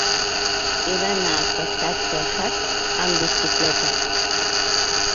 He d'anar al passatge Hac amb bicicleta.